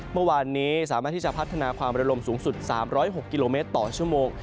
เมื่อวานนี้สามารถที่จะพัฒนาความระลมสูงสุด๓๐๖กิโลเมตรต่อชั่วโมง